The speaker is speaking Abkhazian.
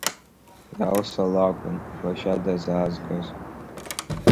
Иалса лакәын лашьа дазаазгоз.